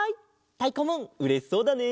たいこムーンうれしそうだね！